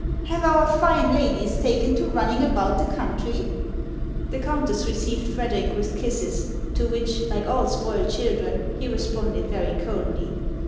Have our fine ladies taken to running about the country ?" The countess received Frederic with kisses, to which, like all spoiled children, he responded very coldly.